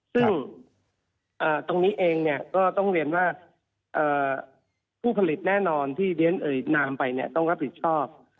ซึ่งตรงนี้เองเนี่ยก็ต้องเรียนว่าผู้ผลิตแน่นอนที่เรียนเอ่ยนามไปเนี่ยต้องรับผิดชอบ